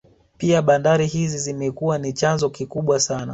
Pia bandari hizi zimekuwa ni chanzo kikubwa sana